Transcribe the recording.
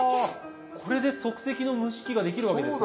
これで即席の蒸し器ができるわけですね。